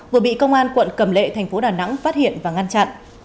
vừa bị công an quận cầm lệ tp đà nẵng phát hiện và ngăn chặn